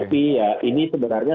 tapi ini sebenarnya